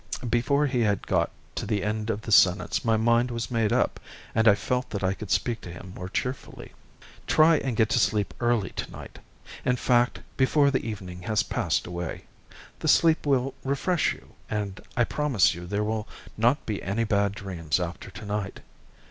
Before he had got to the end of the sentence my mind was made up, and I felt that I could speak to him more cheerfully. "Try and get to sleep early tonight—in fact, before the evening has passed away. The sleep will refresh you, and I promise you there will not be any bad dreams after tonight."